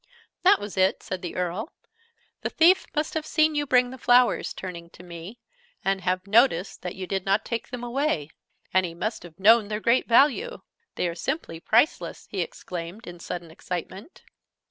"That was it," said the Earl. "The thief must have seen you bring the flowers," turning to me, "and have noticed that you did not take them away. And he must have known their great value they are simply priceless!" he exclaimed, in sudden excitement.